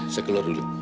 saya keluar dulu